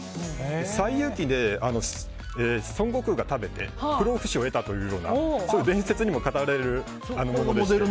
「西遊記」で孫悟空が食べて不老不死を得たという伝説にも語られる桃で。